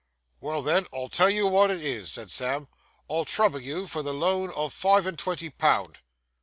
'Well, then, I'll tell you wot it is,' said Sam, 'I'll trouble you for the loan of five and twenty pound.